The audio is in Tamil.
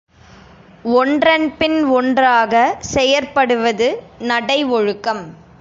ஒன்றன்பின் ஒன்றாக செயற்படுவது நடை ஒழுக்கம்.